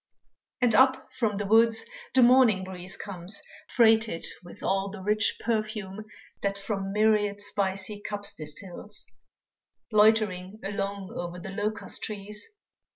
And up from the woods the morning breeze Comes freighted with all the rich perfume That from myriad spicy cups distils, Loitering along o'er the locust trees.